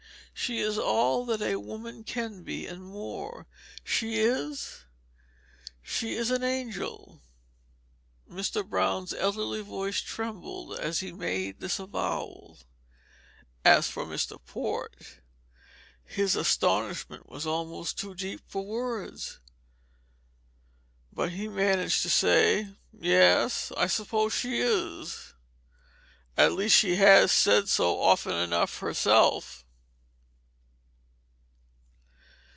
She is all that a woman can be, and more. She is she is an angel!" Mr. Brown's elderly voice trembled as he made this avowal. As for Mr. Port, his astonishment was almost too deep for words. But he managed to say: "Yes, I suppose she is at least she has said so often enough herself."